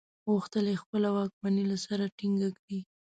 غوښتل یې خپله واکمني له سره ټینګه کړي.